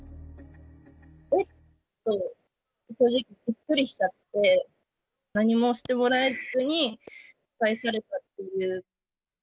えっと、正直びっくりしちゃって、何もしてもらえずに帰されたっていう。